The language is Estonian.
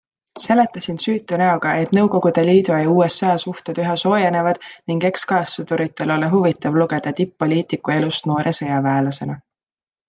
Seletasin süütu näoga, et N Liidu ja USA suhted üha soojenevad ning eks kaassõduritel ole huvitav lugeda tipp-poliitiku elust noore sõjaväelasena.